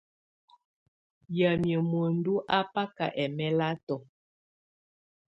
Wamɛ̀á muǝndù à baká ɛmɛlatɔ̀.